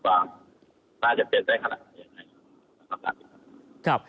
บอกว่าน่าจะเป็นได้ขละ